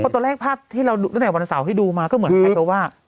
พระเจ้าแรกภาพที่เราตั้งแต่วันเสาร์ให้ดูมาก็เหมือนไงก็ว่า